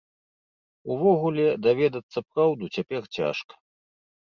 Увогуле, даведацца праўду цяпер цяжка.